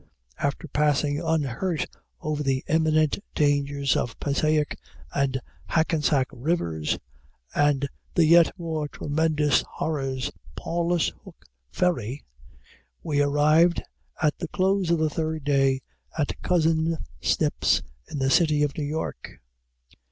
After passing unhurt over the imminent dangers of Passayack and Hackensack rivers, and the yet more tremendous horrors of Pawlas hook ferry, we arrived, at the close of the third day, at cousin Snip's in the city of New York.